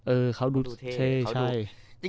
เออเขาดูเท่ใช่